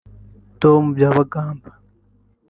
Tom Byabagamba